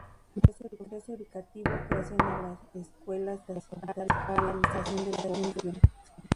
Progreso educativo: creación de escuelas y alfabetización de la población.